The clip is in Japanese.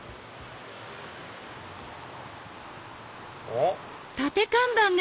おっ？